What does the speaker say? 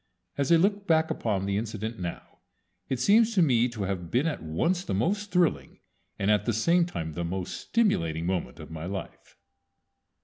As I look back upon the incident now it seems to me to have been at once the most thrilling, and at the same time the most stimulating, moment of my life.